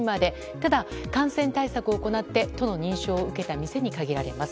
ただ、感染対策を行って都の認証を受けた店に限られます。